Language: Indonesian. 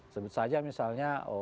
sebut saja misalnya